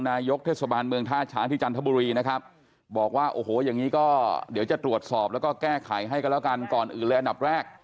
มันก็มีป่าตรงข้างบ้านครูปุ๋ยซึ่งมันไม่ได้มาขี้แถวนี้